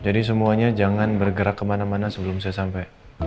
jadi semuanya jangan bergerak kemana mana sebelum saya sampai